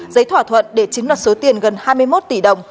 giấy thỏa thuận để chiếm đoạt số tiền gần hai mươi một tỷ đồng